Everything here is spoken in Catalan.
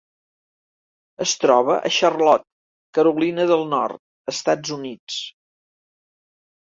Es troba a Charlotte, Carolina del Nord, Estats Units.